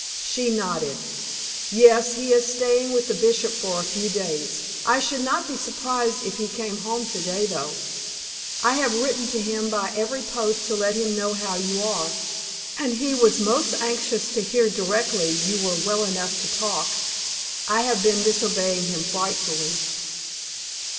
She nodded. "Yes; he is staying with the Bishop for a few days. I should not be surprised if he came home to day, though. I have written to him by every post to let him know how you are, and he was most anxious to hear directly you were well enough to talk. I have been disobeying him frightfully."